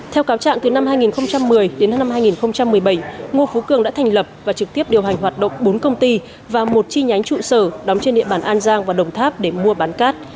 theo cáo trạng từ năm hai nghìn một mươi đến năm hai nghìn một mươi bảy ngô phú cường đã thành lập và trực tiếp điều hành hoạt động bốn công ty và một chi nhánh trụ sở đóng trên địa bàn an giang và đồng tháp để mua bán cát